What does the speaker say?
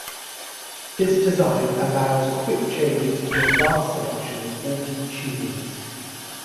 This design allows quick changes to a vast selection of altered tunings.